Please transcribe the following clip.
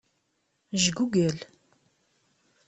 Jgugel.